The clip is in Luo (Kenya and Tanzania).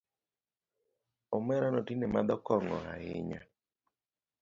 Omerano tinde madho kong’o ahinya